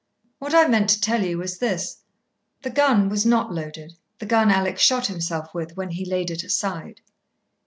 "What I meant to tell you was this. The gun was not loaded, the gun Alec shot himself with, when he laid it aside."